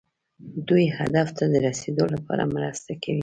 دوی هدف ته د رسیدو لپاره مرسته کوي.